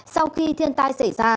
sau khi thiên tai xảy ra